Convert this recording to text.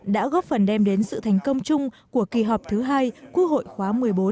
đã góp phần đem đến sự thành công chung của kỳ họp thứ hai quốc hội khóa một mươi bốn